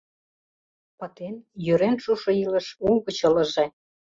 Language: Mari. Пытен, йӧрен шушо илыш угыч ылыже!